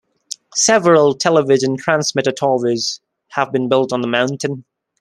Several television transmitter towers have been built on the mountain.